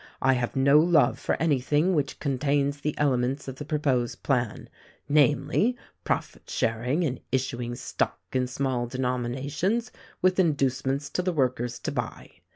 I have no love for anything which contains the elements of the pro posed plan ; namely, profit sharing and issuing stock in small denominations, with inducements to the workers to buy.